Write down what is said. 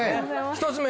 １つ目